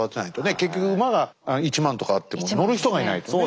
結局馬が１万とかあっても乗る人がいないとね。